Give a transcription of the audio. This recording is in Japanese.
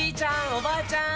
おばあちゃん